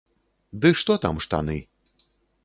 Ды што там штаны.